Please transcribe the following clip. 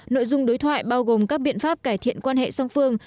nội dung đối thoại bao gồm các biện pháp cải thiện quan hệ song phương